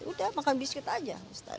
udah makan biskuit aja